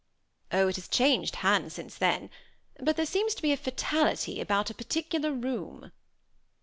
"Oh! it has changed hands since then. But there seemed to be a fatality about a particular room."